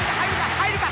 入るか？